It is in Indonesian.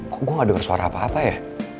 kok gue gak denger suara apa apa ya